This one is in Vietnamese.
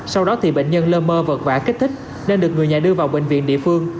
sau đó bệnh nhân lơ mơ vật vả kích thích nên được người nhà đưa vào bệnh viện địa phương